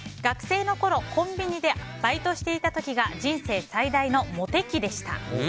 学生のころ、コンビニでバイトしていた時が人生最大のモテ期でした。